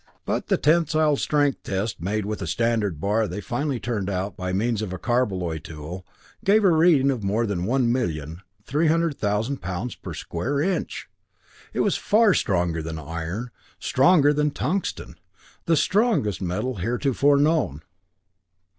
But the tensile strength test made with a standard bar they finally turned out by means of a carbaloy tool, gave a reading of more than one million, three hundred thousand pounds per square inch! It was far stronger than iron stronger than tungsten, the strongest metal heretofore known.